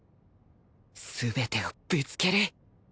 全てをぶつける